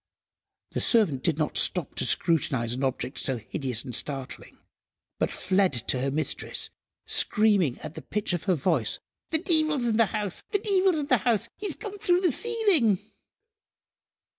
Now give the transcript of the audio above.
The servant did not stop to scrutinise an object so hideous and startling, but fled to her mistress, screaming at the pitch of her voice— "The deevil's in the house! The deevil's in the house! He's come through the ceiling!"